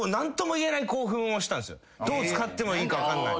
どう使っていいか分かんない。